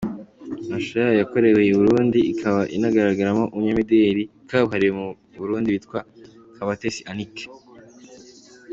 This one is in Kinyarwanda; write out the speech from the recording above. Amashusho yayo yakorewe i Burundi ikaba inagaragaramo umunyamideli kabuhariwe mu Burundi witwa ‘Kabatesi Anick’.